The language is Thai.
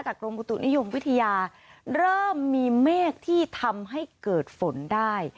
กรมอุตุนิยมวิทยาเริ่มมีเมฆที่ทำให้เกิดฝนได้